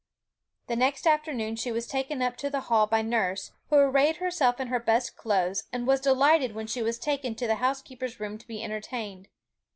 The next afternoon she was taken up to the Hall by nurse, who arrayed herself in her best clothes, and was delighted when she was taken to the housekeeper's room to be entertained.